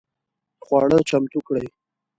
خواړه چمتو کړئ